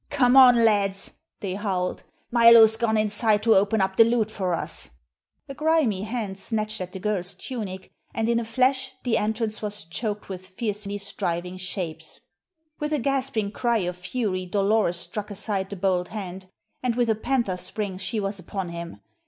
"Come on, lads!" they howled. "Milo's gone inside to open up the loot for us." A grimy hand snatched at the girl's tunic, and in a flash the entrance was choked with fiercely striving shapes. With a gasping cry of fury Dolores struck aside the bold hand, and with a panther spring she was upon him.